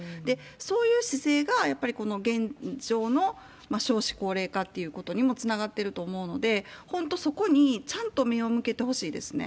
そういう姿勢が、やっぱりこの現状の少子高齢化っていうことにもつながってると思うので、本当、そこにちゃんと目を向けてほしいですね。